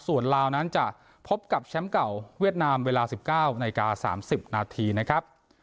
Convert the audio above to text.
ส่วนลาวนั้นจะพบกับแชมป์เก่าเวียดนามเวลา๑๙นาฬิกา๓๐นาทีนะครับ